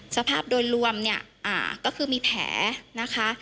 สภาพโดยรวมเนี่ยก็คือมีแผลนะคะ